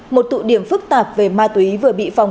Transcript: một tụ điểm phức tạp về ma túy vừa bị phòng